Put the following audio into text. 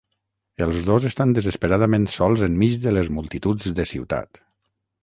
Els dos estan desesperadament sols enmig de les multituds de ciutat.